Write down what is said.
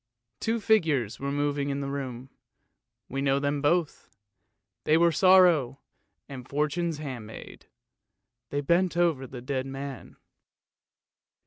Two figures were moving about in the room; we know them both. They were Sorrow and Fortune's handmaid; they bent over the dead man.